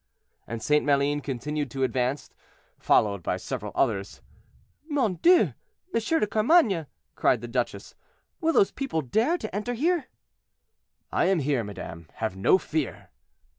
And St. Maline continued to advance, followed by several others. "Mon Dieu! M. de Carmainges," cried the duchess, "will those people dare to enter here?" "I am here, madame; have no fear."